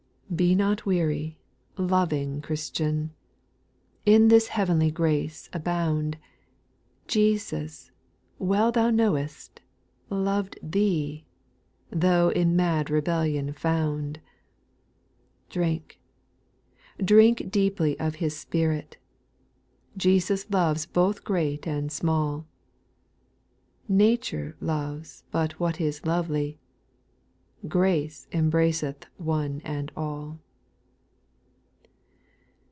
8. " Be not weary," loving Christian, In this heavenly grace abound, Jesus, well thou knowest, loved thee^ Though in mad rebellion found ; Drink, drink deejily of His spirit ; Jesus loves both great and small, Nature loves but what is lovely ;— Ordce embraceth one and all.